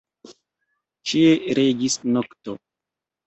Ĉie regis nokto.